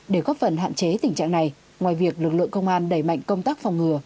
để góp phần hạn chế tình trạng này ngoài việc lực lượng công an đẩy mạnh công tác phòng ngừa